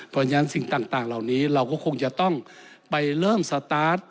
เพราะฉะนั้นสิ่งต่างเหล่านี้เราก็คงจะต้องไปเริ่มสตาร์ท